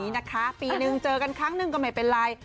นะคะปีนึงเจอกันครั้งหนึ่งก็ไม่เป็นไร